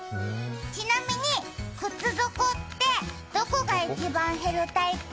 ちなみに、靴底ってどこが一番減るタイプ？